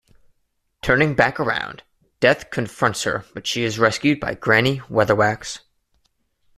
Turning back around, Death confronts her but she is rescued by Granny Weatherwax.